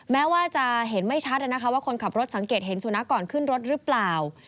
แม้ว่าจะเห็นไม่ชัดว่าคนขับรถสังเกตเห็นสุนัขก่อนขึ้นรถหรือเปล่า